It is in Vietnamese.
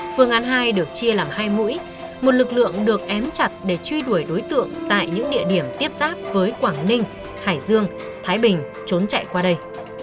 phương án hai được chia làm hai mũi một lực lượng được ém chặt để truy đuổi đối tượng tại những địa điểm tiếp giáp với quảng ninh hải dương thái bình trốn chạy qua đây